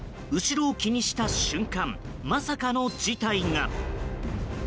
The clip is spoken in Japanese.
後ろを気にした瞬間まさかの事態が。